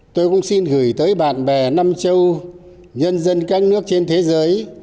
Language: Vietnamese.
tôi cũng xin gửi tới bạn bè nam châu nhân dân các nước trên thế giới